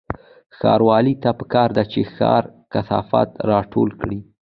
ښاروالۍ ته پکار ده چې ښاري کثافات راټول کړي